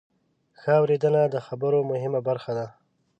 ښه اورېدنه د خبرو مهمه برخه ده.